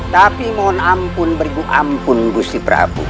tapi mohon ampun beribu ampun gusti prapu